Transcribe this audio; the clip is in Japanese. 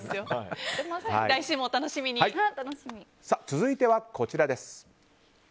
続いてはこちらです。